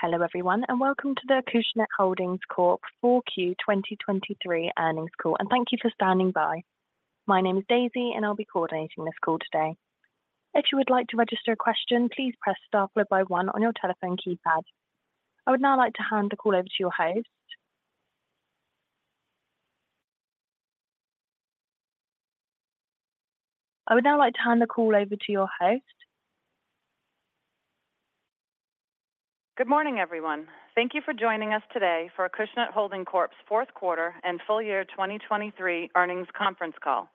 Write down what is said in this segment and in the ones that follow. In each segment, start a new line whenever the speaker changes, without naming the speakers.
Hello, everyone, and welcome to the Acushnet Holdings Corp. 4Q 2023 earnings call, and thank you for standing by. My name is Daisy, and I'll be coordinating this call today. If you would like to register a question, please press star plus by 1 on your telephone keypad. I would now like to hand the call over to your host.
Good morning everyone. Thank you for joining us today for Acushnet Holdings Corp.'s fourth quarter and full year 2023 earnings conference call.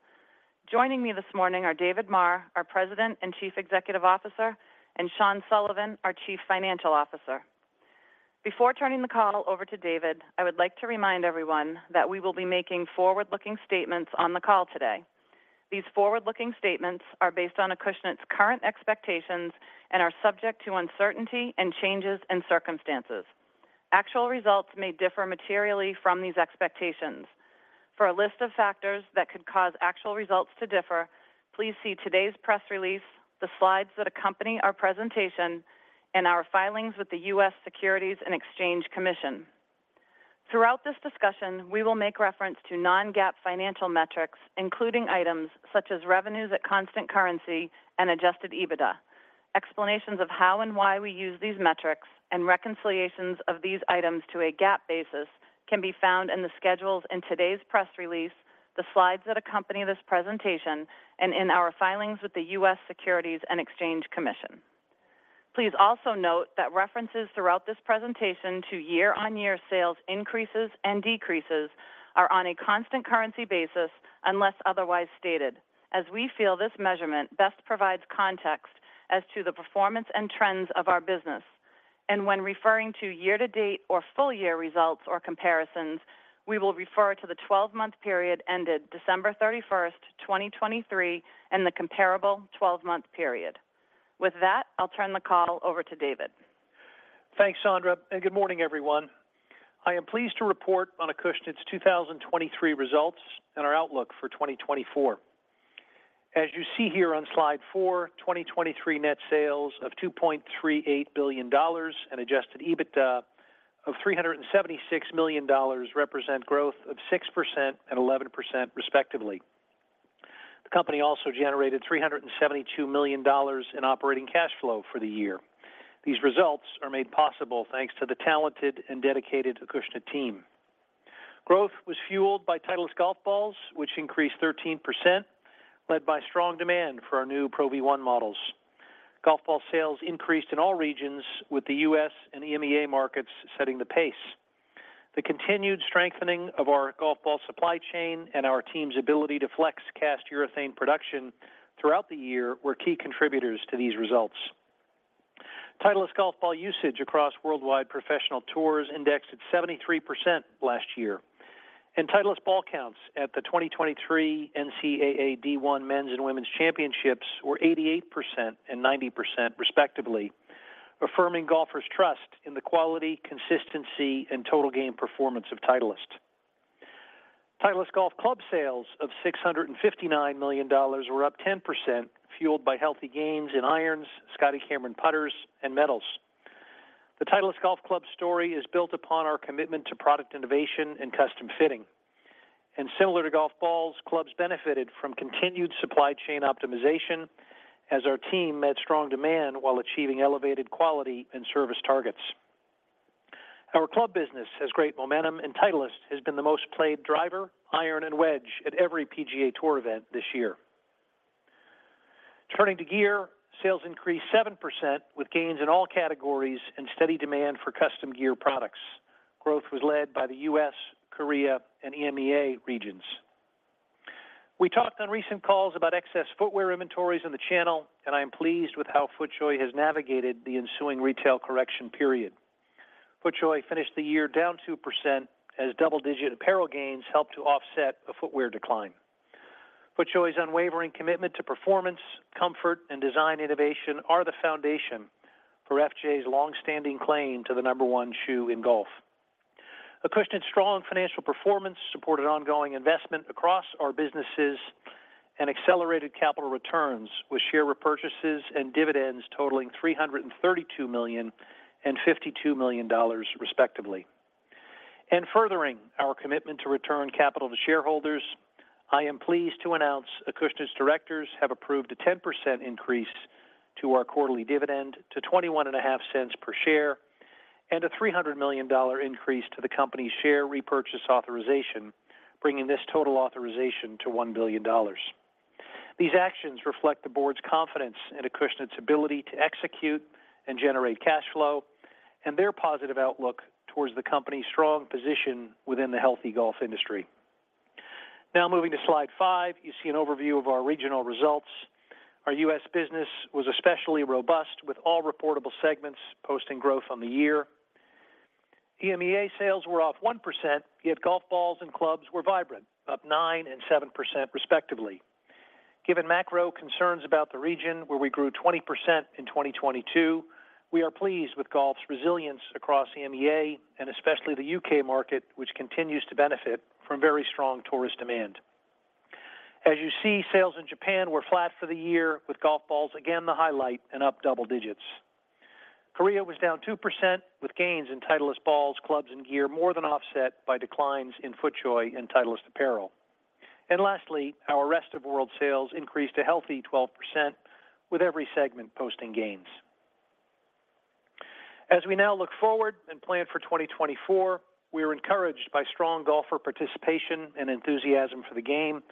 Joining me this morning are David Maher, our President and Chief Executive Officer, and Sean Sullivan, our Chief Financial Officer. Before turning the call over to David, I would like to remind everyone that we will be making forward-looking statements on the call today. These forward-looking statements are based on Acushnet's current expectations and are subject to uncertainty and changes in circumstances. Actual results may differ materially from these expectations. For a list of factors that could cause actual results to differ, please see today's press release, the slides that accompany our presentation, and our filings with the U.S. Securities and Exchange Commission. Throughout this discussion, we will make reference to non-GAAP financial metrics, including items such as revenues at constant currency and Adjusted EBITDA. Explanations of how and why we use these metrics and reconciliations of these items to a GAAP basis can be found in the schedules in today's press release, the slides that accompany this presentation, and in our filings with the U.S. Securities and Exchange Commission. Please also note that references throughout this presentation to year-over-year sales increases and decreases are on a constant currency basis unless otherwise stated, as we feel this measurement best provides context as to the performance and trends of our business. And when referring to year-to-date or full year results or comparisons, we will refer to the 12-month period ended December 31st, 2023, and the comparable 12-month period. With that, I'll turn the call over to David.
Thanks, Sondra, and good morning everyone. I am pleased to report on Acushnet's 2023 results and our outlook for 2024. As you see here on slide 4, 2023 net sales of $2.38 billion and adjusted EBITDA of $376 million represent growth of 6% and 11%, respectively. The company also generated $372 million in operating cash flow for the year. These results are made possible thanks to the talented and dedicated Acushnet team. Growth was fueled by Titleist golf balls, which increased 13%, led by strong demand for our new Pro V1 models. Golf ball sales increased in all regions, with the U.S. and EMEA markets setting the pace. The continued strengthening of our golf ball supply chain and our team's ability to flex cast urethane production throughout the year were key contributors to these results. Titleist golf ball usage across worldwide professional tours indexed at 73% last year, and Titleist ball counts at the 2023 NCAA D1 men's and women's championships were 88% and 90%, respectively, affirming golfers' trust in the quality, consistency, and total game performance of Titleist. Titleist golf club sales of $659 million were up 10%, fueled by healthy gains in irons, Scotty Cameron putters, and metals. The Titleist golf club story is built upon our commitment to product innovation and custom fitting. Similar to golf balls, clubs benefited from continued supply chain optimization as our team met strong demand while achieving elevated quality and service targets. Our club business has great momentum, and Titleist has been the most played driver, iron, and wedge at every PGA Tour event this year. Turning to gear, sales increased 7% with gains in all categories and steady demand for custom gear products. Growth was led by the U.S., Korea, and EMEA regions. We talked on recent calls about excess footwear inventories in the channel, and I am pleased with how FootJoy has navigated the ensuing retail correction period. FootJoy finished the year down 2% as double-digit apparel gains helped to offset a footwear decline. FootJoy's unwavering commitment to performance, comfort, and design innovation are the foundation for FJ's longstanding claim to the number one shoe in golf. Acushnet's strong financial performance supported ongoing investment across our businesses and accelerated capital returns with share repurchases and dividends totaling $332 million and $52 million, respectively. Furthering our commitment to return capital to shareholders, I am pleased to announce Acushnet's directors have approved a 10% increase to our quarterly dividend to $0.21 per share and a $300 million increase to the company's share repurchase authorization, bringing this total authorization to $1 billion. These actions reflect the board's confidence in Acushnet's ability to execute and generate cash flow and their positive outlook toward the company's strong position within the healthy golf industry. Now moving to slide 5, you see an overview of our regional results. Our U.S. business was especially robust, with all reportable segments posting growth on the year. EMEA sales were off 1%, yet golf balls and clubs were vibrant, up 9% and 7%, respectively. Given macro concerns about the region, where we grew 20% in 2022, we are pleased with golf's resilience across EMEA and especially the U.K. market, which continues to benefit from very strong tourist demand. As you see, sales in Japan were flat for the year, with golf balls again the highlight and up double digits. Korea was down 2%, with gains in Titleist balls, clubs, and gear more than offset by declines in FootJoy and Titleist apparel. Lastly, our rest of world sales increased a healthy 12%, with every segment posting gains. As we now look forward and plan for 2024, we are encouraged by strong golfer participation and enthusiasm for the game,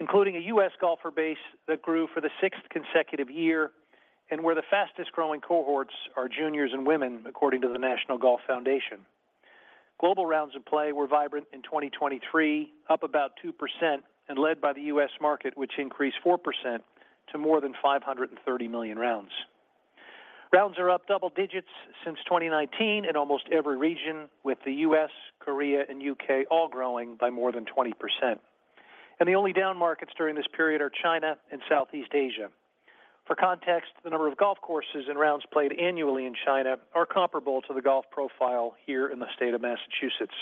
including a U.S. golfer base that grew for the sixth consecutive year and where the fastest growing cohorts are juniors and women, according to the National Golf Foundation. Global rounds of play were vibrant in 2023, up about 2% and led by the U.S. market, which increased 4% to more than 530 million rounds. Rounds are up double digits since 2019 in almost every region, with the U.S., Korea, and U.K. all growing by more than 20%. The only down markets during this period are China and Southeast Asia. For context, the number of golf courses and rounds played annually in China are comparable to the golf profile here in the state of Massachusetts.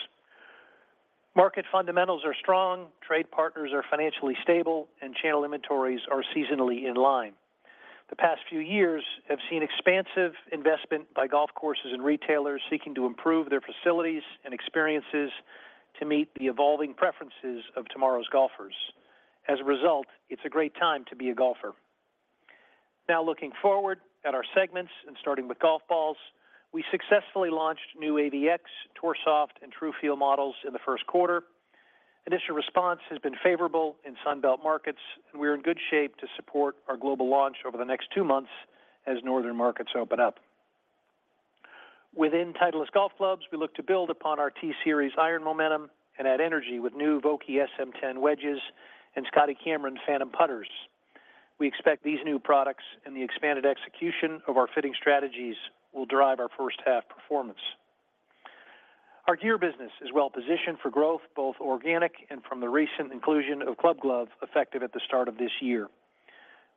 Market fundamentals are strong, trade partners are financially stable, and channel inventories are seasonally in line. The past few years have seen expansive investment by golf courses and retailers seeking to improve their facilities and experiences to meet the evolving preferences of tomorrow's golfers. As a result, it's a great time to be a golfer. Now looking forward at our segments and starting with golf balls, we successfully launched new AVX, Tour Soft, and TruFeel models in the first quarter. Initial response has been favorable in Sunbelt markets, and we are in good shape to support our global launch over the next two months as northern markets open up. Within Titleist golf clubs, we look to build upon our T-Series iron momentum and add energy with new Vokey SM10 wedges and Scotty Cameron Phantom putters. We expect these new products and the expanded execution of our fitting strategies will drive our first-half performance. Our gear business is well positioned for growth, both organic and from the recent inclusion of Club Glove, effective at the start of this year.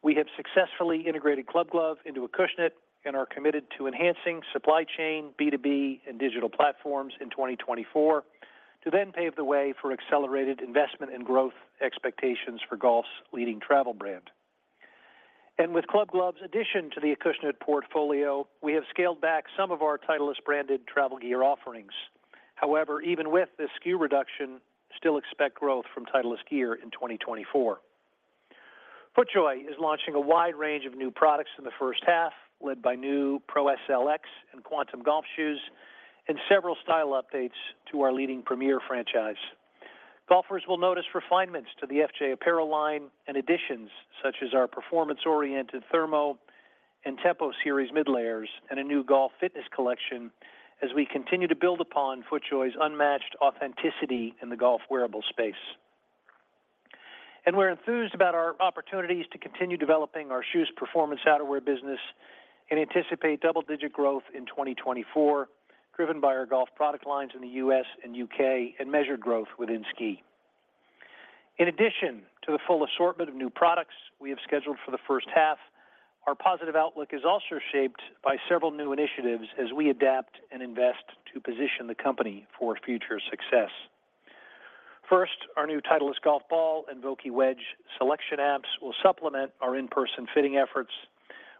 We have successfully integrated Club Glove into Acushnet and are committed to enhancing supply chain, B2B, and digital platforms in 2024 to then pave the way for accelerated investment and growth expectations for golf's leading travel brand. And with Club Glove's addition to the Acushnet portfolio, we have scaled back some of our Titleist branded travel gear offerings. However, even with this SKU reduction, still expect growth from Titleist gear in 2024. FootJoy is launching a wide range of new products in the first half, led by new Pro SLX and Quantum golf KJUS, and several style updates to our leading Premiere franchise. Golfers will notice refinements to the FJ apparel line and additions such as our performance-oriented Thermo and Tempo Series midlayers and a new golf fitness collection as we co120686 Acushnet Q4 2023.mp3ntinue to build upon FootJoy's unmatched authenticity in the golf wearable space. We're enthused about our opportunities to continue developing our KJUS performance outerwear business and anticipate double-digit growth in 2024, driven by our golf product lines in the U.S. and U.K. and measured growth within ski. In addition to the full assortment of new products we have scheduled for the first half, our positive outlook is also shaped by several new initiatives as we adapt and invest to position the company for future success. First, our new Titleist golf ball and Vokey wedge selection apps will supplement our in-person fitting efforts.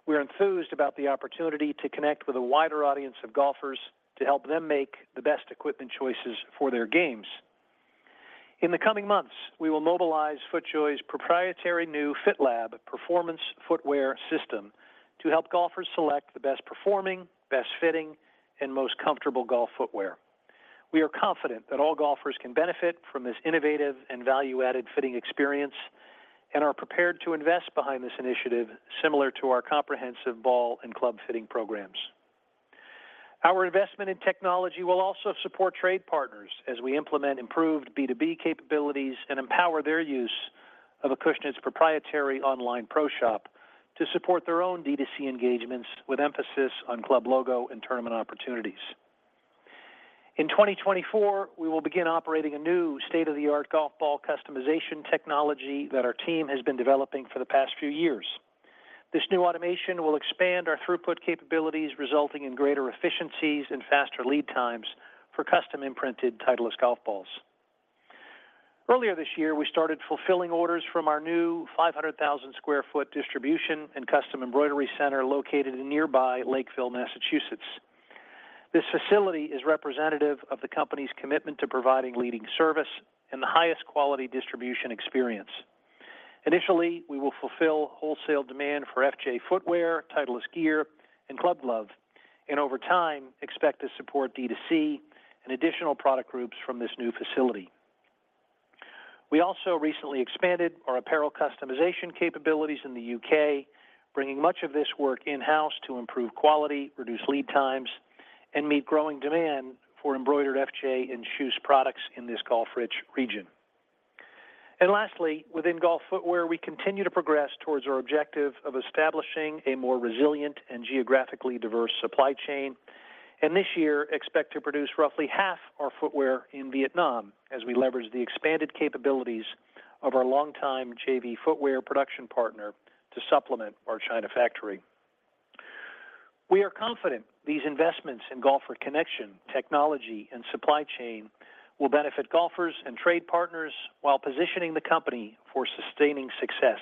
We are enthused about the opportunity to connect with a wider audience of golfers to help them make the best equipment choices for their games. In the coming months, we will mobilize FootJoy's proprietary new FitLab performance footwear system to help golfers select the best performing, best fitting, and most comfortable golf footwear. We are confident that all golfers can benefit from this innovative and value-added fitting experience and are prepared to invest behind this initiative similar to our comprehensive ball and club fitting programs. Our investment in technology will also support trade partners as we implement improved B2B capabilities and empower their use of Acushnet's proprietary online ProShop to support their own D2C engagements with emphasis on club logo and tournament opportunities. In 2024, we will begin operating a new state-of-the-art golf ball customization technology that our team has been developing for the past few years. This new automation will expand our throughput capabilities, resulting in greater efficiencies and faster lead times for custom imprinted Titleist golf balls. Earlier this year, we started fulfilling orders from our new 500,000 sq ft distribution and custom embroidery center located in nearby Lakeville, Massachusetts. This facility is representative of the company's commitment to providing leading service and the highest quality distribution experience. Initially, we will fulfill wholesale demand for FJ footwear, Titleist gear, and Club Glove, and over time expect to support D2C and additional product groups from this new facility. We also recently expanded our apparel customization capabilities in the U.K., bringing much of this work in-house to improve quality, reduce lead times, and meet growing demand for embroidered FJ and shoes products in this golf-rich region. Lastly, within golf footwear, we continue to progress towards our objective of establishing a more resilient and geographically diverse supply chain, and this year expect to produce roughly half our footwear in Vietnam as we leverage the expanded capabilities of our longtime JV footwear production partner to supplement our China factory. We are confident these investments in golfer connection, technology, and supply chain will benefit golfers and trade partners while positioning the company for sustaining success.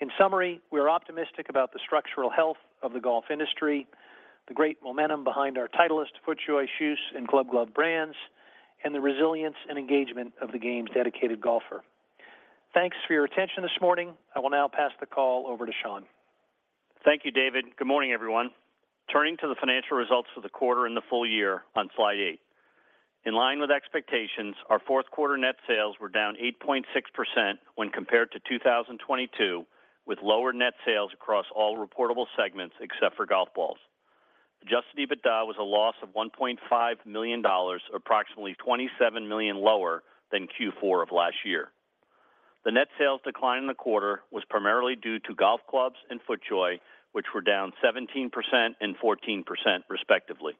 In summary, we are optimistic about the structural health of the golf industry, the great momentum behind our Titleist, FootJoy shoes, and Club Glove brands, and the resilience and engagement of the game's dedicated golfer. Thanks for your attention this morning. I will now pass the call over to Sean.
Thank you, David. Good morning, everyone. Turning to the financial results for the quarter and the full year on slide 8. In line with expectations, our fourth quarter net sales were down 8.6% when compared to 2022, with lower net sales across all reportable segments except for golf balls. Adjusted EBITDA was a loss of $1.5 million, approximately $27 million lower than Q4 of last year. The net sales decline in the quarter was primarily due to golf clubs and FootJoy, which were down 17% and 14%, respectively.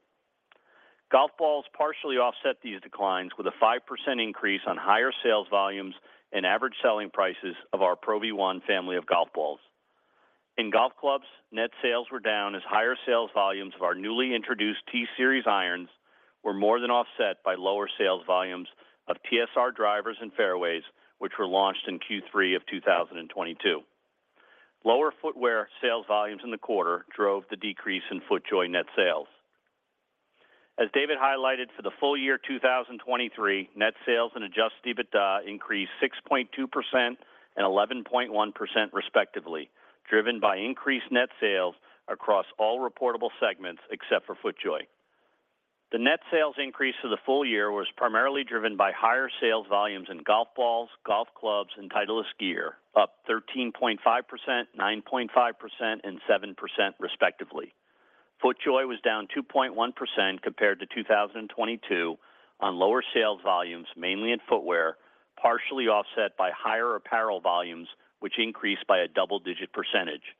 Golf balls partially offset these declines with a 5% increase on higher sales volumes and average selling prices of our Pro V1 family of golf balls. In golf clubs, net sales were down as higher sales volumes of our newly introduced T-Series irons were more than offset by lower sales volumes of TSR drivers and fairways, which were launched in Q3 of 2022. Lower footwear sales volumes in the quarter drove the decrease in FootJoy net sales. As David highlighted, for the full year 2023, net sales and adjusted EBITDA increased 6.2% and 11.1%, respectively, driven by increased net sales across all reportable segments except for FootJoy. The net sales increase for the full year was primarily driven by higher sales volumes in golf balls, golf clubs, and Titleist gear, up 13.5%, 9.5%, and 7%, respectively. FootJoy was down 2.1% compared to 2022 on lower sales volumes, mainly in footwear, partially offset by higher apparel volumes, which increased by a double-digit percentage.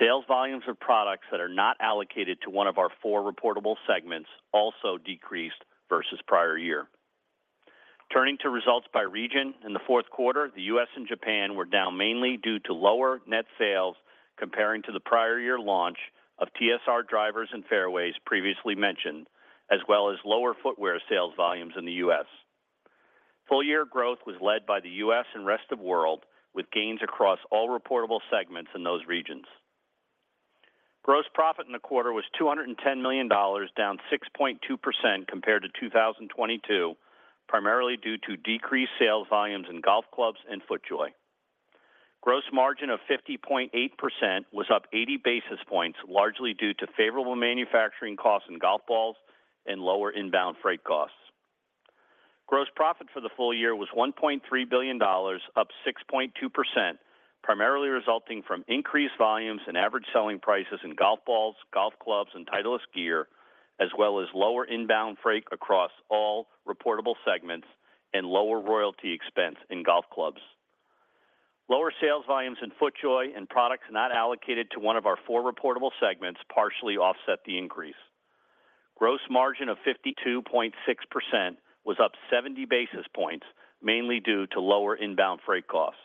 Sales volumes of products that are not allocated to one of our four reportable segments also decreased versus prior year. Turning to results by region, in the fourth quarter, the U.S. and Japan were down mainly due to lower net sales comparing to the prior year launch of TSR drivers and fairways previously mentioned, as well as lower footwear sales volumes in the U.S. Full year growth was led by the U.S. and rest of world, with gains across all reportable segments in those regions. Gross profit in the quarter was $210 million, down 6.2% compared to 2022, primarily due to decreased sales volumes in golf clubs and FootJoy. Gross margin of 50.8% was up 80 basis points, largely due to favorable manufacturing costs in golf balls and lower inbound freight costs. Gross profit for the full year was $1.3 billion, up 6.2%, primarily resulting from increased volumes and average selling prices in golf balls, golf clubs, and Titleist gear, as well as lower inbound freight across all reportable segments and lower royalty expense in golf clubs. Lower sales volumes in FootJoy and products not allocated to one of our four reportable segments partially offset the increase. Gross margin of 52.6% was up 70 basis points, mainly due to lower inbound freight costs.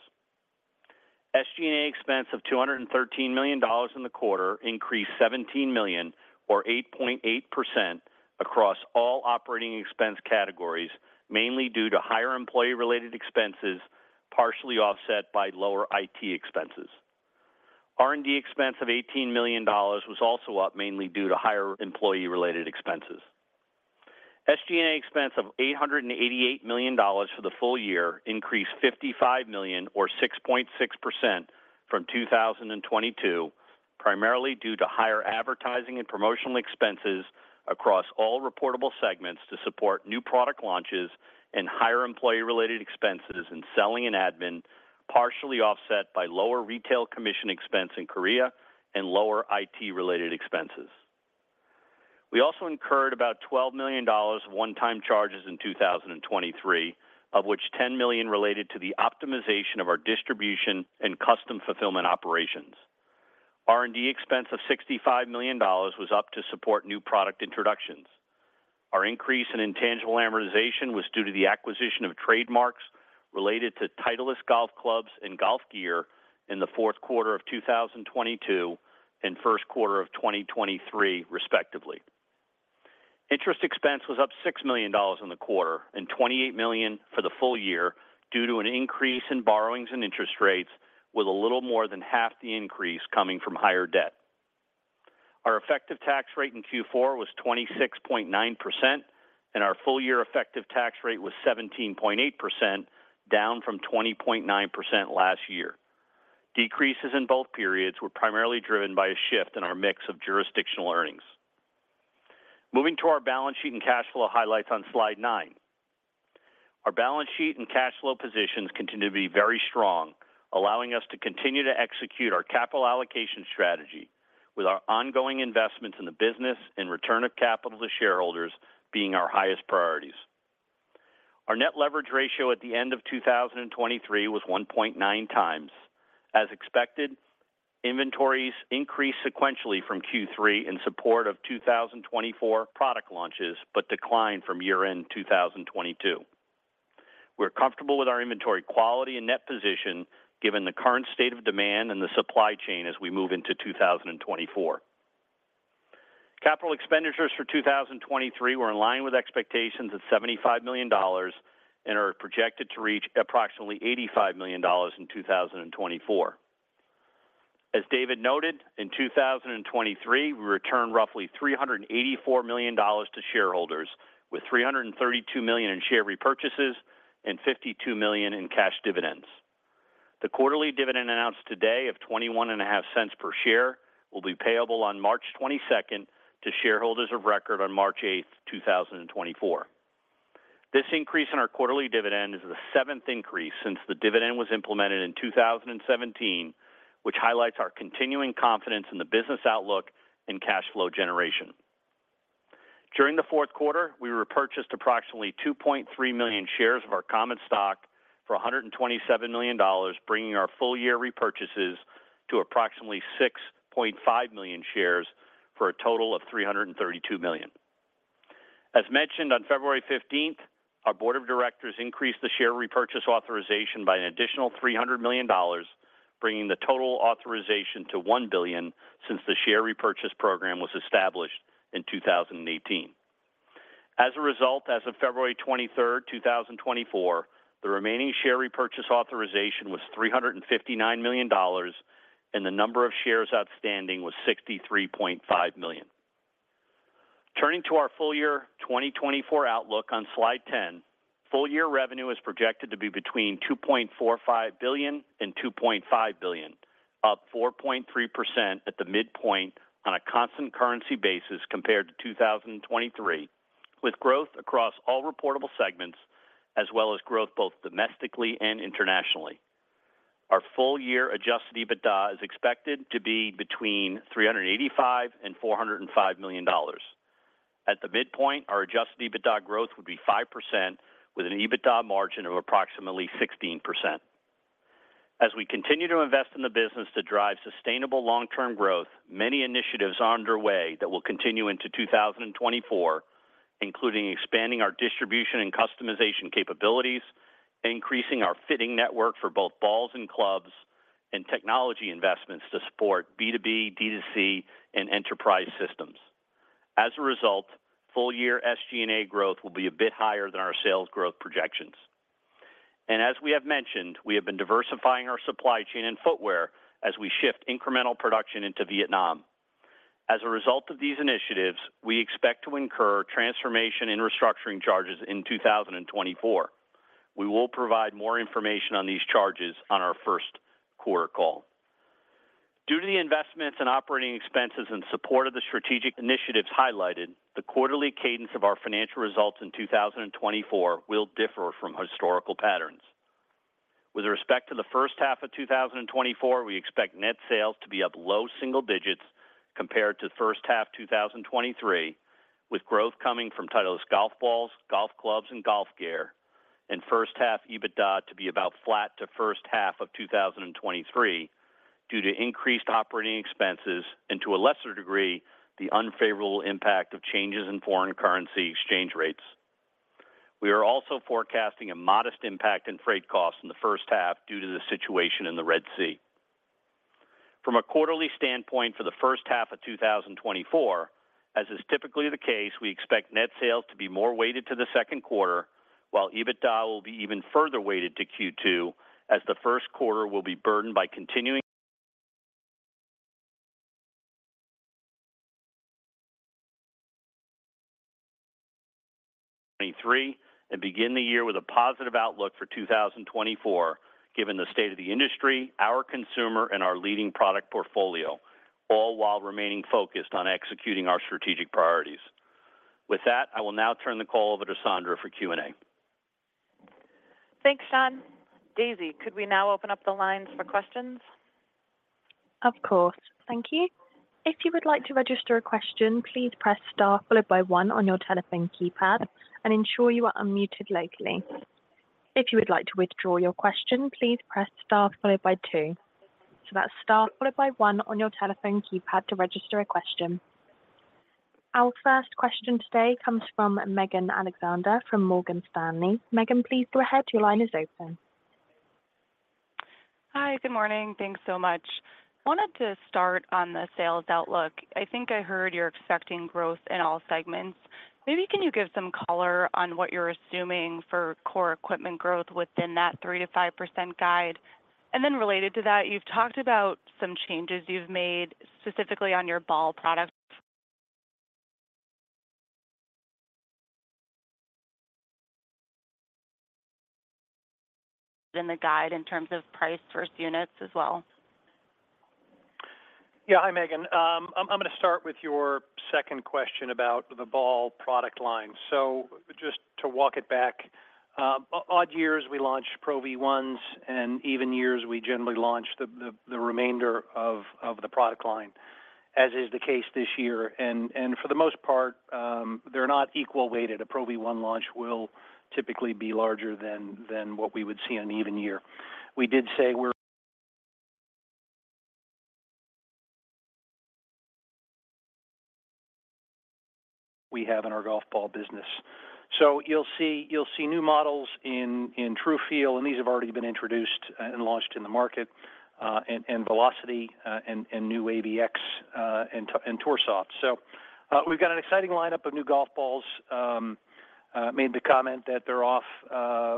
SG&A expense of $213 million in the quarter increased $17 million, or 8.8%, across all operating expense categories, mainly due to higher employee-related expenses partially offset by lower IT expenses. R&D expense of $18 million was also up, mainly due to higher employee-related expenses. SG&A expense of $888 million for the full year increased $55 million, or 6.6%, from 2022, primarily due to higher advertising and promotional expenses across all reportable segments to support new product launches and higher employee-related expenses in selling and admin, partially offset by lower retail commission expense in Korea and lower IT-related expenses. We also incurred about $12 million of one-time charges in 2023, of which $10 million related to the optimization of our distribution and custom fulfillment operations. R&D expense of $65 million was up to support new product introductions. Our increase in intangible amortization was due to the acquisition of trademarks related to Titleist golf clubs and golf gear in the fourth quarter of 2022 and first quarter of 2023, respectively. Interest expense was up $6 million in the quarter and $28 million for the full year due to an increase in borrowings and interest rates, with a little more than half the increase coming from higher debt. Our effective tax rate in Q4 was 26.9%, and our full year effective tax rate was 17.8%, down from 20.9% last year. Decreases in both periods were primarily driven by a shift in our mix of jurisdictional earnings. Moving to our balance sheet and cash flow highlights on slide 9. Our balance sheet and cash flow positions continue to be very strong, allowing us to continue to execute our capital allocation strategy, with our ongoing investments in the business and return of capital to shareholders being our highest priorities. Our net leverage ratio at the end of 2023 was 1.9x. As expected, inventories increased sequentially from Q3 in support of 2024 product launches but declined from year-end 2022. We're comfortable with our inventory quality and net position given the current state of demand and the supply chain as we move into 2024. Capital expenditures for 2023 were in line with expectations at $75 million and are projected to reach approximately $85 million in 2024. As David noted, in 2023, we returned roughly $384 million to shareholders, with $332 million in share repurchases and $52 million in cash dividends. The quarterly dividend announced today of $0.215 per share will be payable on March 22nd to shareholders of record on March 8th, 2024. This increase in our quarterly dividend is the seventh increase since the dividend was implemented in 2017, which highlights our continuing confidence in the business outlook and cash flow generation. During the fourth quarter, we repurchased approximately 2.3 million shares of our common stock for $127 million, bringing our full year repurchases to approximately 6.5 million shares for a total of $332 million. As mentioned on February 15th, our board of directors increased the share repurchase authorization by an additional $300 million, bringing the total authorization to $1 billion since the share repurchase program was established in 2018. As a result, as of February 23rd, 2024, the remaining share repurchase authorization was $359 million, and the number of shares outstanding was 63.5 million. Turning to our full year 2024 outlook on slide 10, full year revenue is projected to be between $2.45 billion-$2.5 billion, up 4.3% at the midpoint on a constant currency basis compared to 2023, with growth across all reportable segments as well as growth both domestically and internationally. Our full-year adjusted EBITDA is expected to be between $385-$405 million. At the midpoint, our adjusted EBITDA growth would be 5%, with an EBITDA margin of approximately 16%. As we continue to invest in the business to drive sustainable long-term growth, many initiatives are underway that will continue into 2024, including expanding our distribution and customization capabilities, increasing our fitting network for both balls and clubs, and technology investments to support B2B, D2C, and enterprise systems. As a result, full-year SG&A growth will be a bit higher than our sales growth projections. As we have mentioned, we have been diversifying our supply chain and footwear as we shift incremental production into Vietnam. As a result of these initiatives, we expect to incur transformation and restructuring charges in 2024. We will provide more information on these charges on our first quarter call. Due to the investments and operating expenses in support of the strategic initiatives highlighted, the quarterly cadence of our financial results in 2024 will differ from historical patterns. With respect to the first half of 2024, we expect net sales to be up low single digits compared to first half 2023, with growth coming from Titleist golf balls, golf clubs, and golf gear, and first half EBITDA to be about flat to first half of 2023 due to increased operating expenses and, to a lesser degree, the unfavorable impact of changes in foreign currency exchange rates. We are also forecasting a modest impact in freight costs in the first half due to the situation in the Red Sea. From a quarterly standpoint for the first half of 2024, as is typically the case, we expect net sales to be more weighted to the second quarter, while EBITDA will be even further weighted to Q2, as the first quarter will be burdened by continuing 2023 and begin the year with a positive outlook for 2024 given the state of the industry, our consumer, and our leading product portfolio, all while remaining focused on executing our strategic priorities. With that, I will now turn the call over to Sondra for Q&A.
Thanks, Sean. Daisy, could we now open up the lines for questions?
Of course. Thank you. If you would like to register a question, please press * followed by 1 on your telephone keypad and ensure you are unmuted locally. If you would like to withdraw your question, please press * followed by 2. So that's star followed by 1 on your telephone keypad to register a question. Our first question today comes from Megan Alexander from Morgan Stanley. Megan, please go ahead. Your line is open.
Hi. Good morning. Thanks so much. Wanted to start on the sales outlook. I think I heard you're expecting growth in all segments. Maybe can you give some color on what you're assuming for core equipment growth within that 3%-5% guide? And then related to that, you've talked about some changes you've made specifically on your ball products in the guide in terms of price versus units as well.
Yeah. Hi, Megan. I'm going to start with your second question about the ball product line. So just to walk it back, odd years, we launch Pro V1s, and even years, we generally launch the remainder of the product line, as is the case this year. And for the most part, they're not equal weighted. A Pro V1 launch will typically be larger than what we would see on an even year. We did say we have in our golf ball business. So you'll see new models in TruFeel, and these have already been introduced and launched in the market, and Velocity and new AVX and Tour Soft. So we've got an exciting lineup of new golf balls. Made the comment that they're off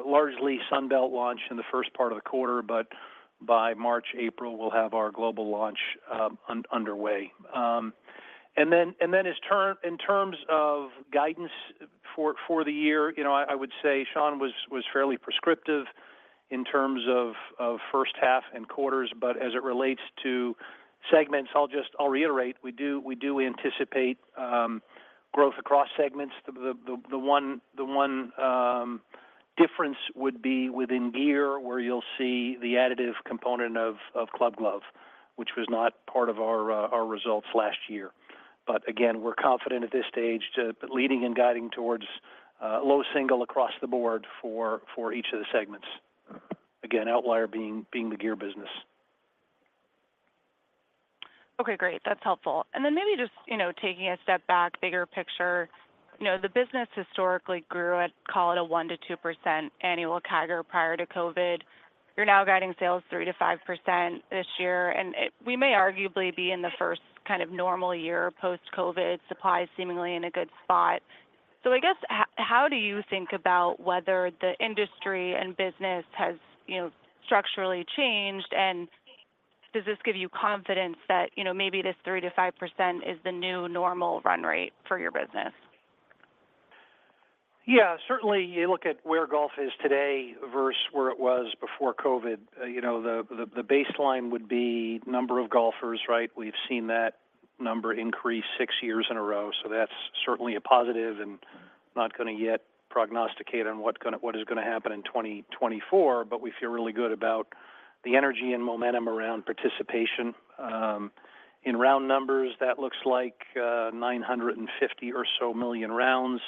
largely Sunbelt launch in the first part of the quarter, but by March, April, we'll have our global launch underway. And then in terms of guidance for the year, I would say Sean was fairly prescriptive in terms of first half and quarters. But as it relates to segments, I'll reiterate, we do anticipate growth across segments. The one difference would be within gear, where you'll see the additive component of Club Glove, which was not part of our results last year. But again, we're confident at this stage leading and guiding towards low single across the board for each of the segments. Again, outlier being the gear business.
Okay. Great. That's helpful. And then maybe just taking a step back, bigger picture, the business historically grew at, call it, a 1%-2% annual CAGR prior to COVID. You're now guiding sales 3%-5% this year. And we may arguably be in the first kind of normal year post-COVID. Supply is seemingly in a good spot. So I guess, how do you think about whether the industry and business has structurally changed? Does this give you confidence that maybe this 3%-5% is the new normal run rate for your business?
Yeah. Certainly, you look at where golf is today versus where it was before COVID. The baseline would be number of golfers, right? We've seen that number increase six years in a row. So that's certainly a positive and not going to yet prognosticate on what is going to happen in 2024. But we feel really good about the energy and momentum around participation. In round numbers, that looks like 950 or so million rounds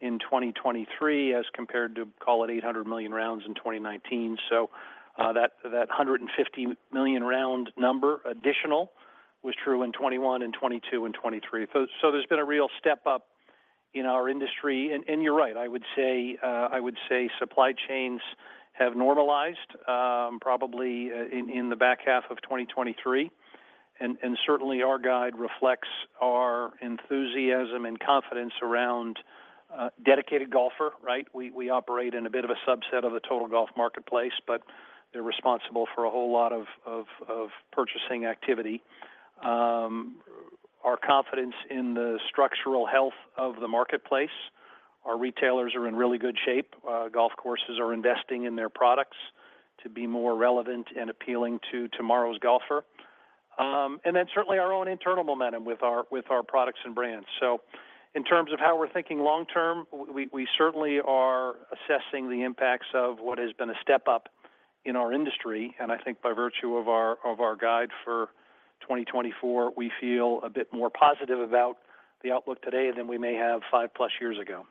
in 2023 as compared to, call it, 800 million rounds in 2019. So that 150 million round number additional was true in 2021 and 2022 and 2023. So there's been a real step up in our industry. You're right. I would say supply chains have normalized probably in the back half of 2023. Certainly, our guide reflects our enthusiasm and confidence around dedicated golfer, right? We operate in a bit of a subset of the total golf marketplace, but they're responsible for a whole lot of purchasing activity. Our confidence in the structural health of the marketplace. Our retailers are in really good shape. Golf courses are investing in their products to be more relevant and appealing to tomorrow's golfer. Then certainly, our own internal momentum with our products and brands. In terms of how we're thinking long-term, we certainly are assessing the impacts of what has been a step up in our industry. I think by virtue of our guide for 2024, we feel a bit more positive about the outlook today than we may have five-plus years ago.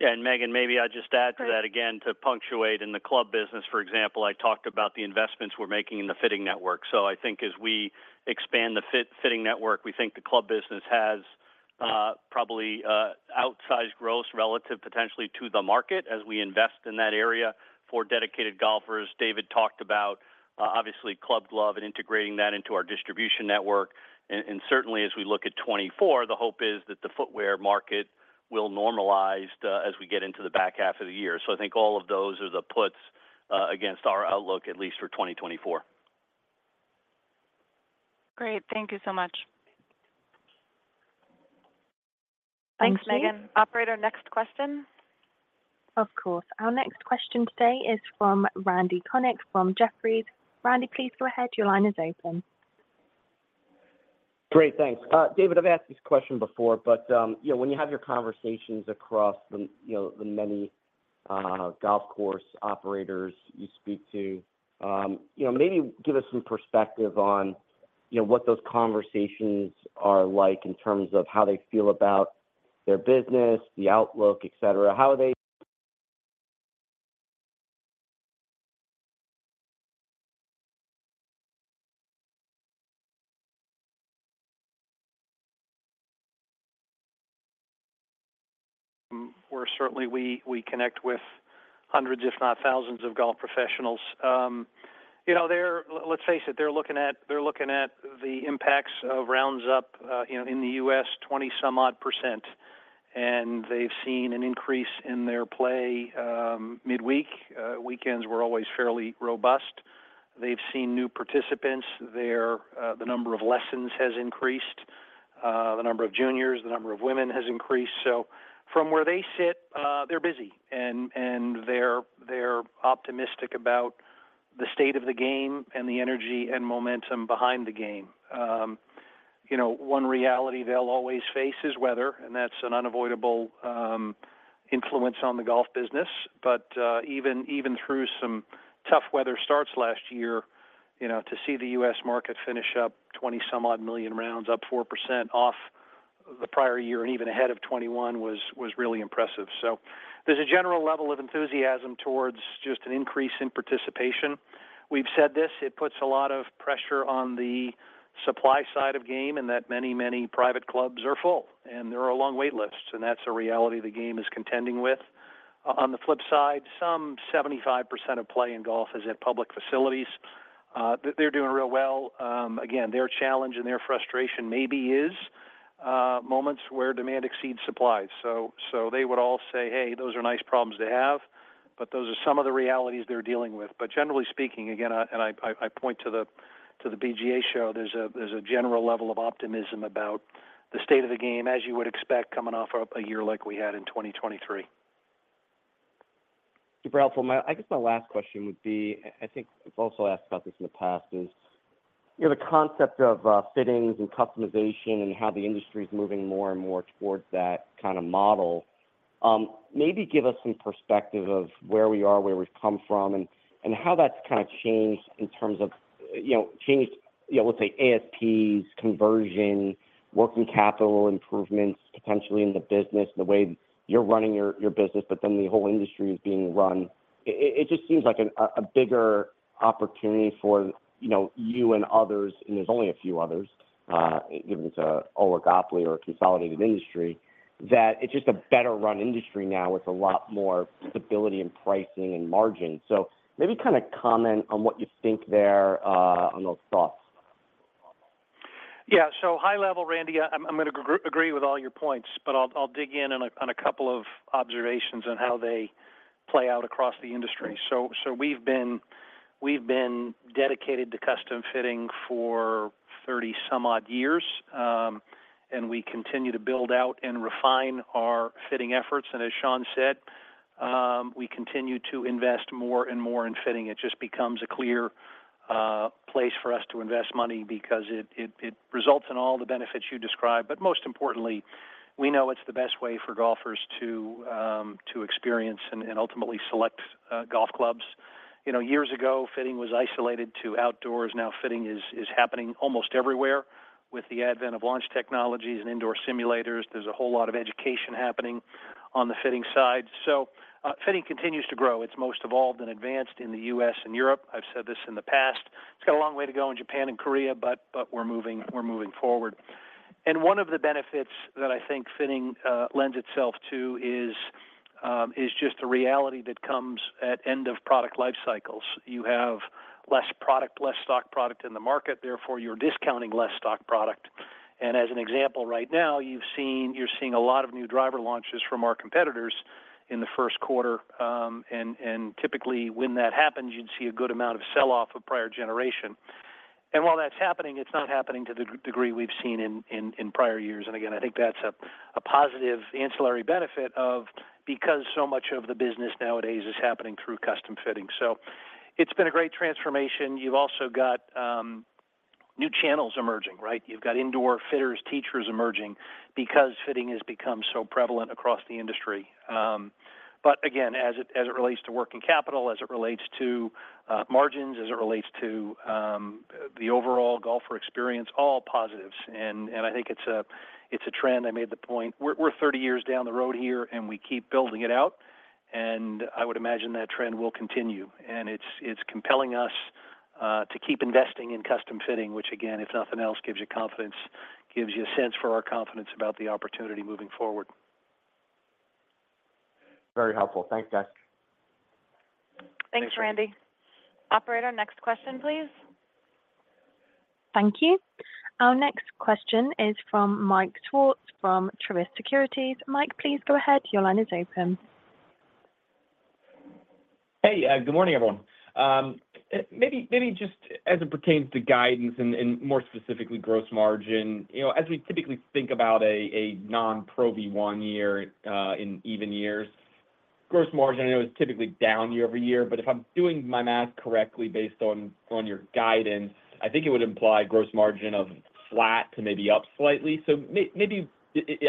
Yeah. And Megan, maybe I'll just add to that again to punctuate. In the club business, for example, I talked about the investments we're making in the fitting network. So I think as we expand the fitting network, we think the club business has probably outsized growth relative potentially to the market as we invest in that area for dedicated golfers. David talked about, obviously, Club Glove and integrating that into our distribution network. And certainly, as we look at 2024, the hope is that the footwear market will normalize as we get into the back half of the year. So I think all of those are the puts against our outlook, at least for 2024.
Great. Thank you so much.
Thanks, Megan. Operator, next question?
Of course. Our next question today is from Randy Konik from Jefferies. Randy, please go ahead. Your line is open.
Great. Thanks. David, I've asked this question before, but when you have your conversations across the many golf course operators you speak to, maybe give us some perspective on what those conversations are like in terms of how they feel about their business, the outlook, etc. How are they?
Certainly, we connect with hundreds, if not thousands, of golf professionals. Let's face it. They're looking at the impacts of rounds up in the U.S., 20-some-odd %. They've seen an increase in their play midweek. Weekends were always fairly robust. They've seen new participants. The number of lessons has increased. The number of juniors, the number of women has increased. From where they sit, they're busy. They're optimistic about the state of the game and the energy and momentum behind the game. One reality they'll always face is weather. That's an unavoidable influence on the golf business. But even through some tough weather starts last year, to see the U.S. market finish up 20-some-odd million rounds, up 4% off the prior year and even ahead of 2021 was really impressive. So there's a general level of enthusiasm towards just an increase in participation. We've said this. It puts a lot of pressure on the supply side of game in that many, many private clubs are full, and there are long waitlists. And that's a reality the game is contending with. On the flip side, some 75% of play in golf is at public facilities. They're doing real well. Again, their challenge and their frustration maybe is moments where demand exceeds supply. So they would all say, "Hey, those are nice problems to have, but those are some of the realities they're dealing with." But generally speaking, again, and I point to the PGA Show, there's a general level of optimism about the state of the game, as you would expect coming off a year like we had in 2023.
Super helpful. I guess my last question would be I think I've also asked about this in the past is the concept of fittings and customization and how the industry is moving more and more towards that kind of model. Maybe give us some perspective of where we are, where we've come from, and how that's kind of changed in terms of changed, let's say, ASPs, conversion, working capital improvements, potentially in the business, the way you're running your business, but then the whole industry is being run. It just seems like a bigger opportunity for you and others, and there's only a few others, given it's an oligopoly or a consolidated industry, that it's just a better-run industry now with a lot more stability in pricing and margin. So maybe kind of comment on what you think there, on those thoughts.
Yeah. So high level, Randy, I'm going to agree with all your points, but I'll dig in on a couple of observations on how they play out across the industry. So we've been dedicated to custom fitting for 30-some-odd years, and we continue to build out and refine our fitting efforts. As Sean said, we continue to invest more and more in fitting. It just becomes a clear place for us to invest money because it results in all the benefits you described. But most importantly, we know it's the best way for golfers to experience and ultimately select golf clubs. Years ago, fitting was isolated to outdoors. Now fitting is happening almost everywhere with the advent of launch technologies and indoor simulators. There's a whole lot of education happening on the fitting side. So fitting continues to grow. It's most evolved and advanced in the U.S. and Europe. I've said this in the past. It's got a long way to go in Japan and Korea, but we're moving forward. And one of the benefits that I think fitting lends itself to is just the reality that comes at end of product life cycles. You have less product, less stock product in the market. Therefore, you're discounting less stock product. And as an example, right now, you're seeing a lot of new driver launches from our competitors in the first quarter. And typically, when that happens, you'd see a good amount of sell-off of prior generation. And while that's happening, it's not happening to the degree we've seen in prior years. And again, I think that's a positive ancillary benefit because so much of the business nowadays is happening through custom fitting. So it's been a great transformation. You've also got new channels emerging, right? You've got indoor fitters, teachers emerging because fitting has become so prevalent across the industry. But again, as it relates to working capital, as it relates to margins, as it relates to the overall golfer experience, all positives. And I think it's a trend. I made the point. We're 30 years down the road here, and we keep building it out. And I would imagine that trend will continue. It's compelling us to keep investing in custom fitting, which, again, if nothing else, gives you confidence, gives you a sense for our confidence about the opportunity moving forward.
Very helpful. Thanks, guys.
Thanks, Randy. Operator, next question, please.
Thank you. Our next question is from Mike Swartz from Truist Securities. Mike, please go ahead. Your line is open.
Hey, good morning, everyone. Maybe just as it pertains to guidance and more specifically gross margin, as we typically think about a non-Pro V1 year in even years, gross margin, I know, is typically down year-over-year. But if I'm doing my math correctly based on your guidance, I think it would imply gross margin of flat to maybe up slightly. So maybe,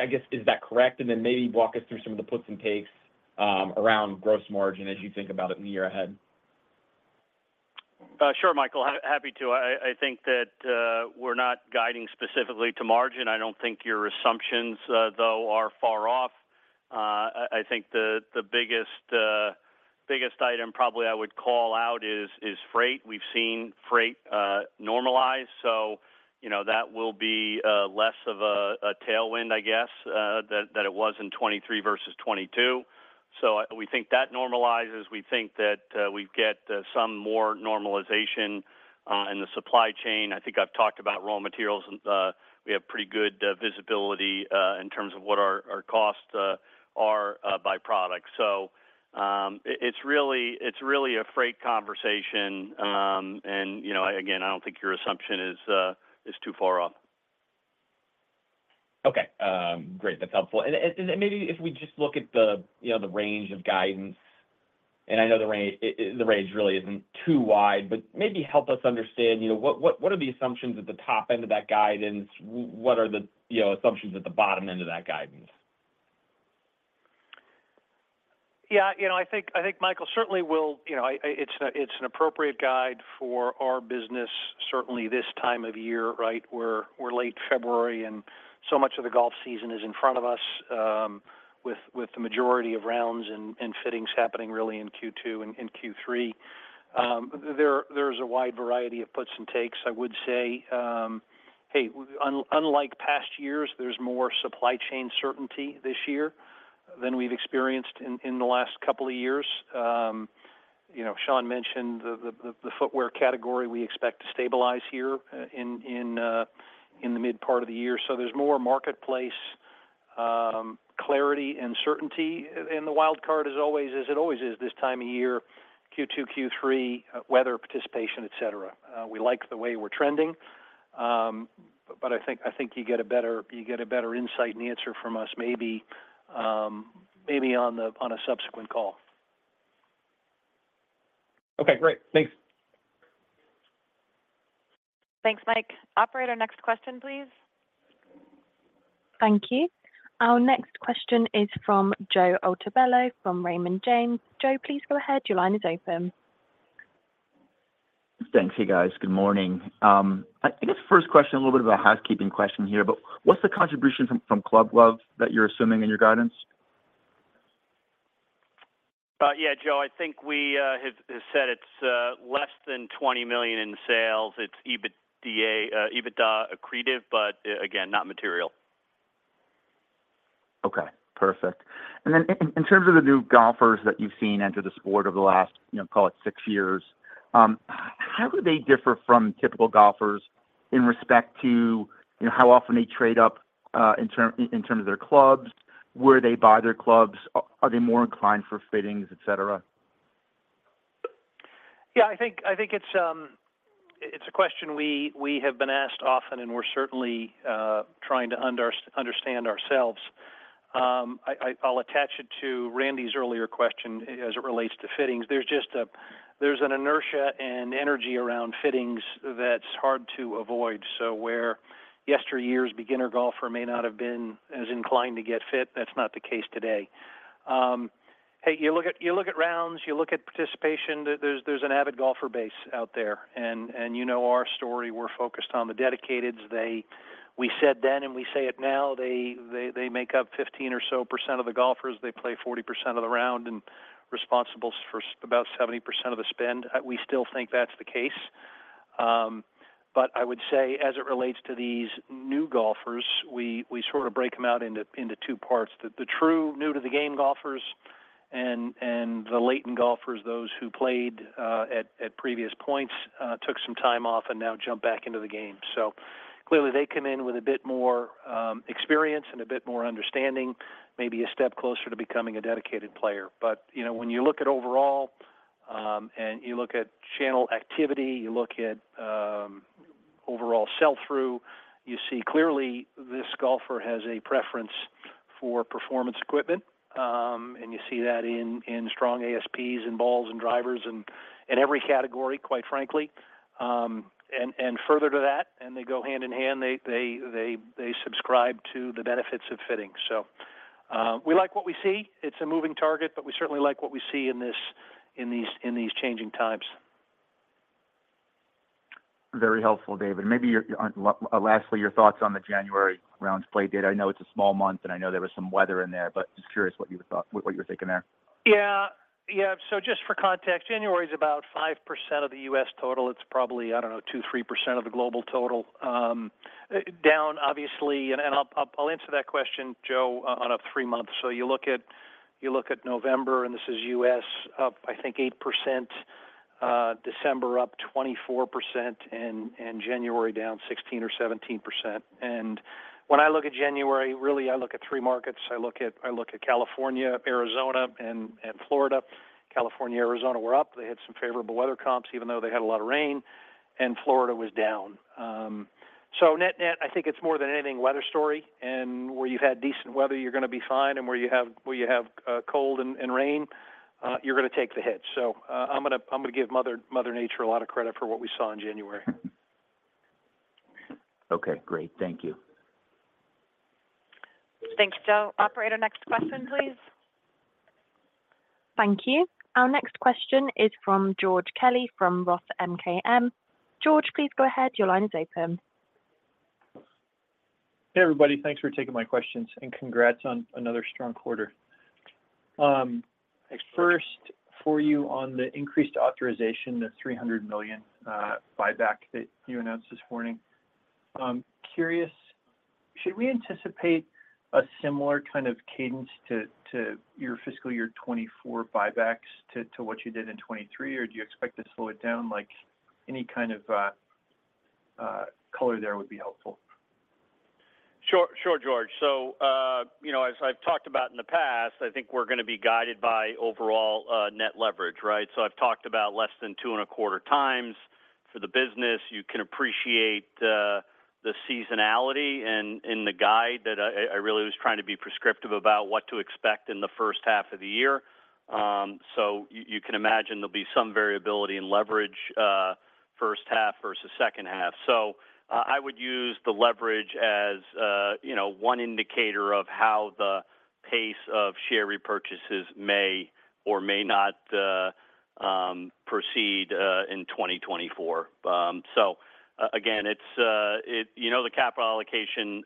I guess, is that correct? Then maybe walk us through some of the puts and takes around gross margin as you think about it in the year ahead.
Sure, Michael. Happy to. I think that we're not guiding specifically to margin. I don't think your assumptions, though, are far off. I think the biggest item probably I would call out is freight. We've seen freight normalize. So that will be less of a tailwind, I guess, than it was in 2023 versus 2022. So we think that normalizes. We think that we get some more normalization in the supply chain. I think I've talked about raw materials. We have pretty good visibility in terms of what our costs are by product. So it's really a freight conversation. And again, I don't think your assumption is too far off.
Okay. Great. That's helpful. Maybe if we just look at the range of guidance and I know the range really isn't too wide, but maybe help us understand what are the assumptions at the top end of that guidance? What are the assumptions at the bottom end of that guidance?
Yeah. I think, Michael, certainly will. It's an appropriate guide for our business, certainly this time of year, right? We're late February, and so much of the golf season is in front of us with the majority of rounds and fittings happening really in Q2 and Q3. There's a wide variety of puts and takes. I would say, hey, unlike past years, there's more supply chain certainty this year than we've experienced in the last couple of years. Sean mentioned the footwear category we expect to stabilize here in the mid part of the year. So there's more marketplace clarity and certainty. And the wild card is always, as it always is this time of year, Q2, Q3, weather participation, etc. We like the way we're trending. But I think you get a better insight and answer from us maybe on a subsequent call.
Okay. Great. Thanks.
Thanks, Mike. Operator, next question, please.
Thank you. Our next question is from Joe Altobello from Raymond James. Joe, please go ahead. Your line is open.
Thanks, you guys. Good morning. I guess first question, a little bit of a housekeeping question here, but what's the contribution from Club Glove that you're assuming in your guidance?
Yeah, Joe, I think we have said it's less than $20 million in sales. It's EBITDA accretive, but again, not material.
Okay. Perfect. And then in terms of the new golfers that you've seen enter the sport over the last, call it, six years, how do they differ from typical golfers in respect to how often they trade up in terms of their clubs? Where they buy their clubs? Are they more inclined for fittings, etc.?
Yeah. I think it's a question we have been asked often, and we're certainly trying to understand ourselves. I'll attach it to Randy's earlier question as it relates to fittings. There's an inertia and energy around fittings that's hard to avoid. So where yesteryear's beginner golfer may not have been as inclined to get fit, that's not the case today. Hey, you look at rounds, you look at participation, there's an avid golfer base out there. And you know our story. We're focused on the dedicated. We said then, and we say it now, they make up 15% or so of the golfers. They play 40% of the round and responsible for about 70% of the spend. We still think that's the case. But I would say as it relates to these new golfers, we sort of break them out into two parts, the true new-to-the-game golfers and the latent golfers, those who played at previous points, took some time off and now jumped back into the game. So clearly, they come in with a bit more experience and a bit more understanding, maybe a step closer to becoming a dedicated player. But when you look at overall and you look at channel activity, you look at overall sell-through, you see clearly this golfer has a preference for performance equipment. And you see that in strong ASPs and balls and drivers in every category, quite frankly. And further to that, and they go hand in hand, they subscribe to the benefits of fitting. So we like what we see. It's a moving target, but we certainly like what we see in these changing times.
Very helpful, David. And maybe lastly, your thoughts on the January rounds play date. I know it's a small month, and I know there was some weather in there, but just curious what you were thinking there.
Yeah. Yeah. So just for context, January is about 5% of the U.S. total. It's probably, I don't know, 2%-3% of the global total. Down, obviously, and I'll answer that question, Joe, on a three-month. So you look at November, and this is U.S., up, I think, 8%. December, up 24%, and January down 16% or 17%. When I look at January, really, I look at three markets. I look at California, Arizona, and Florida. California, Arizona, were up. They had some favorable weather comps, even though they had a lot of rain. And Florida was down. So net-net, I think it's more than anything weather story. And where you've had decent weather, you're going to be fine. And where you have cold and rain, you're going to take the hits. So I'm going to give Mother Nature a lot of credit for what we saw in January.
Okay. Great. Thank you.
Thanks, Joe. Operator, next question, please.
Thank you. Our next question is from George Kelly from Roth MKM. George, please go ahead. Your line is open.
Hey, everybody. Thanks for taking my questions, and congrats on another strong quarter. First, for you on the increased authorization, the $300 million buyback that you announced this morning, curious, should we anticipate a similar kind of cadence to your fiscal year 2024 buybacks to what you did in 2023, or do you expect to slow it down? Any kind of color there would be helpful.
Sure, George. So as I've talked about in the past, I think we're going to be guided by overall net leverage, right? So I've talked about less than 2.25x for the business. You can appreciate the seasonality in the guide that I really was trying to be prescriptive about what to expect in the first half of the year. So you can imagine there'll be some variability in leverage first half versus second half. So I would use the leverage as one indicator of how the pace of share repurchases may or may not proceed in 2024. So again, it's the capital allocation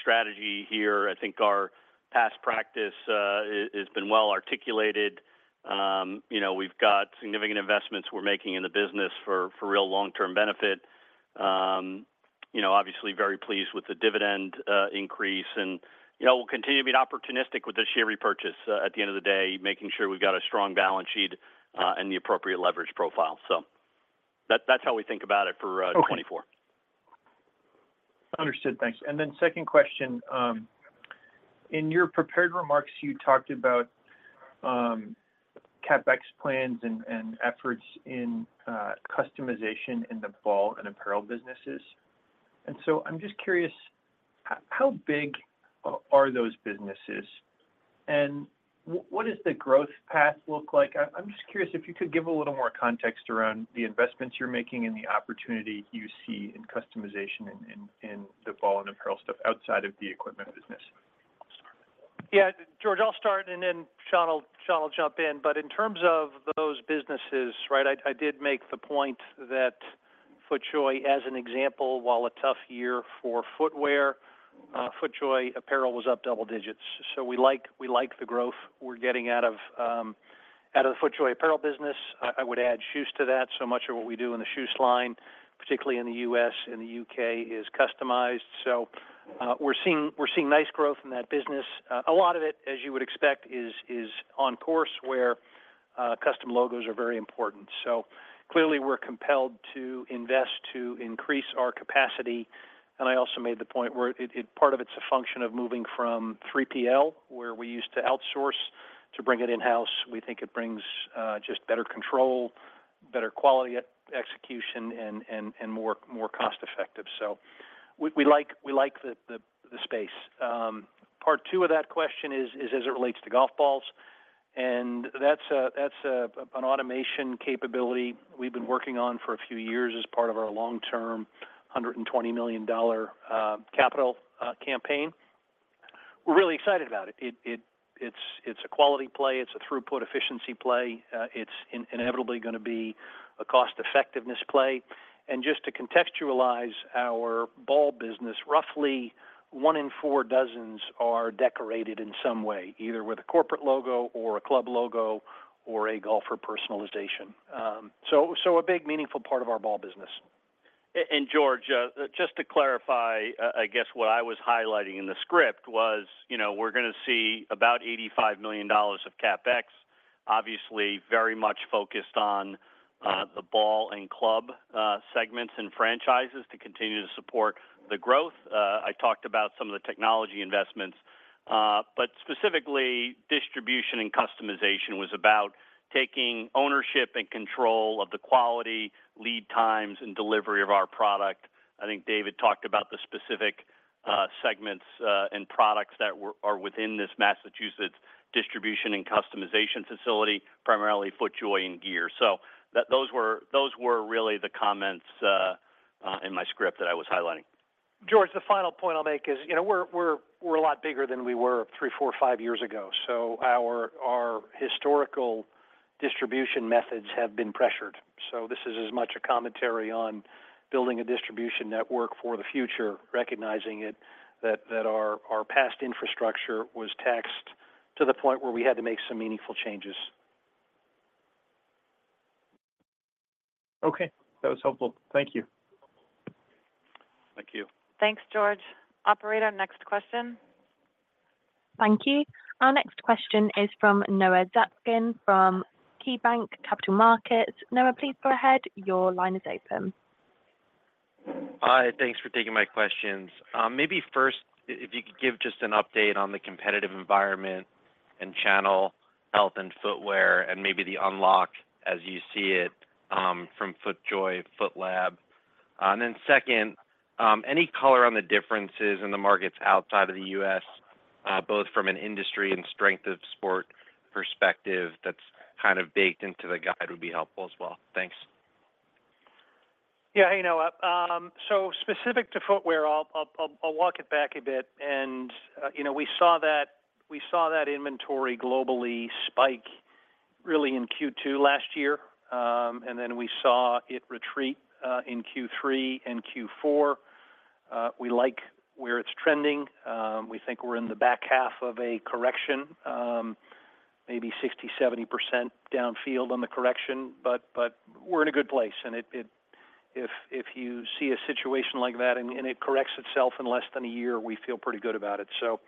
strategy here. I think our past practice has been well articulated. We've got significant investments we're making in the business for real long-term benefit. Obviously, very pleased with the dividend increase. And we'll continue to be opportunistic with this year's repurchase at the end of the day, making sure we've got a strong balance sheet and the appropriate leverage profile. So that's how we think about it for 2024.
Understood. Thanks. And then second question, in your prepared remarks, you talked about CapEx plans and efforts in customization in the ball and apparel businesses. And so I'm just curious, how big are those businesses? And what does the growth path look like? I'm just curious if you could give a little more context around the investments you're making and the opportunity you see in customization in the ball and apparel stuff outside of the equipment business.
Yeah. George, I'll start, and then Sean will jump in. But in terms of those businesses, right, I did make the point that FootJoy, as an example, while a tough year for footwear, FootJoy apparel was up double digits. So we like the growth we're getting out of the FootJoy apparel business. I would add shoes to that. So much of what we do in the shoe line, particularly in the U.S., in the U.K., is customized. So we're seeing nice growth in that business. A lot of it, as you would expect, is on course where custom logos are very important. So clearly, we're compelled to invest to increase our capacity. I also made the point where part of it's a function of moving from 3PL, where we used to outsource to bring it in-house. We think it brings just better control, better quality execution, and more cost-effective. So we like the space. Part two of that question is as it relates to golf balls. And that's an automation capability we've been working on for a few years as part of our long-term $120 million capital campaign. We're really excited about it. It's a quality play. It's a throughput efficiency play. It's inevitably going to be a cost-effectiveness play. And just to contextualize our ball business, roughly one in four dozens are decorated in some way, either with a corporate logo or a club logo or a golfer personalization. So a big, meaningful part of our ball business.
George, just to clarify, I guess what I was highlighting in the script was we're going to see about $85 million of CapEx, obviously very much focused on the ball and club segments and franchises to continue to support the growth. I talked about some of the technology investments. But specifically, distribution and customization was about taking ownership and control of the quality, lead times, and delivery of our product. I think David talked about the specific segments and products that are within this Massachusetts distribution and customization facility, primarily FootJoy and gear. So those were really the comments in my script that I was highlighting.
George, the final point I'll make is we're a lot bigger than we were three, four, five years ago. So our historical distribution methods have been pressured. So this is as much a commentary on building a distribution network for the future, recognizing that our past infrastructure was taxed to the point where we had to make some meaningful changes.
Okay. That was helpful. Thank you.
Thank you.
Thanks, George. Operator, next question.
Thank you. Our next question is from Noah Zatzkin from KeyBanc Capital Markets. Noah, please go ahead. Your line is open.
Hi. Thanks for taking my questions. Maybe first, if you could give just an update on the competitive environment and channel health and footwear and maybe the unlock as you see it from FootJoy, FitLab. And then second, any color on the differences in the markets outside of the U.S., both from an industry and strength of sport perspective that's kind of baked into the guide would be helpful as well. Thanks.
Yeah. Hey, Noah. So specific to footwear, I'll walk it back a bit. We saw that inventory globally spike really in Q2 last year. Then we saw it retreat in Q3 and Q4. We like where it's trending. We think we're in the back half of a correction, maybe 60%-70% downfield on the correction. But we're in a good place. If you see a situation like that and it corrects itself in less than a year, we feel pretty good about it. So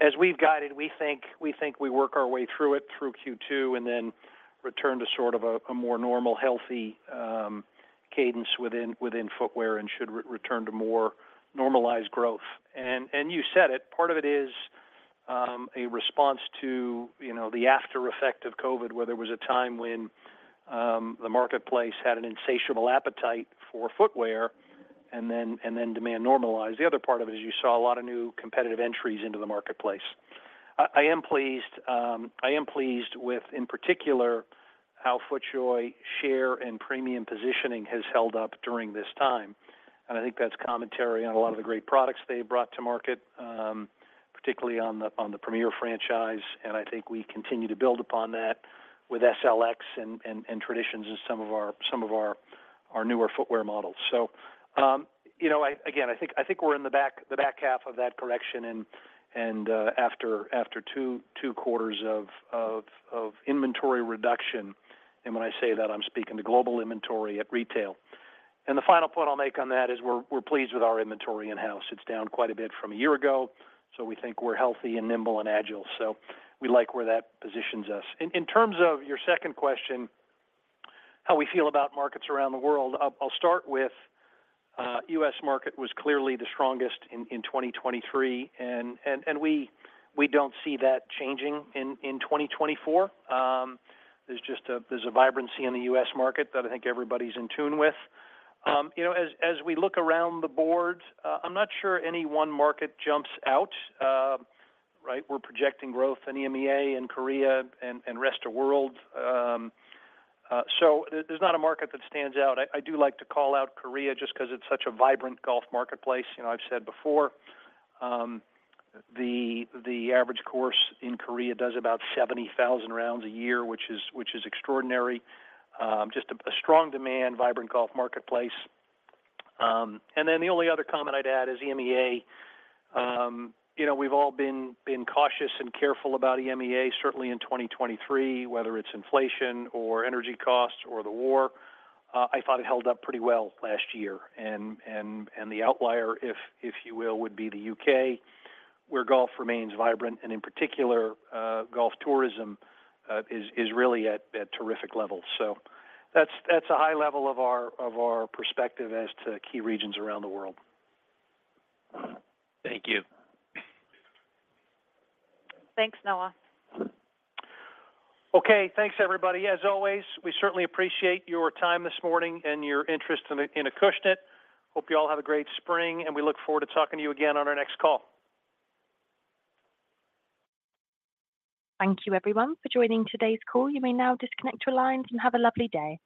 as we've guided, we think we work our way through it through Q2 and then return to sort of a more normal, healthy cadence within footwear and should return to more normalized growth. You said it. Part of it is a response to the aftereffect of COVID, where there was a time when the marketplace had an insatiable appetite for footwear and then demand normalized. The other part of it is you saw a lot of new competitive entries into the marketplace. I am pleased with, in particular, how FootJoy share and premium positioning has held up during this time. And I think that's commentary on a lot of the great products they've brought to market, particularly on the Premiere franchise. And I think we continue to build upon that with SLX and Traditions and some of our newer footwear models. So again, I think we're in the back half of that correction and after two quarters of inventory reduction. And when I say that, I'm speaking to global inventory at retail. The final point I'll make on that is we're pleased with our inventory in-house. It's down quite a bit from a year ago. So we think we're healthy and nimble and agile. So we like where that positions us. In terms of your second question, how we feel about markets around the world, I'll start with U.S. market was clearly the strongest in 2023. And we don't see that changing in 2024. There's a vibrancy in the U.S. market that I think everybody's in tune with. As we look around the board, I'm not sure any one market jumps out, right? We're projecting growth in EMEA and Korea and rest of the world. So there's not a market that stands out. I do like to call out Korea just because it's such a vibrant golf marketplace. I've said before, the average course in Korea does about 70,000 rounds a year, which is extraordinary. Just a strong demand, vibrant golf marketplace. And then the only other comment I'd add is EMEA. We've all been cautious and careful about EMEA, certainly in 2023, whether it's inflation or energy costs or the war. I thought it held up pretty well last year. And the outlier, if you will, would be the U.K., where golf remains vibrant. And in particular, golf tourism is really at terrific levels. So that's a high level of our perspective as to key regions around the world.
Thank you.
Thanks, Noah.
Okay. Thanks, everybody. As always, we certainly appreciate your time this morning and your interest in Acushnet. Hope you all have a great spring, and we look forward to talking to you again on our next call.
Thank you, everyone, for joining today's call. You may now disconnect your lines and have a lovely day.